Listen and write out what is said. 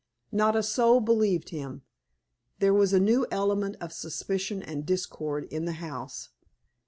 Not a soul believed him; there was a a new element of suspicion and discord in the house.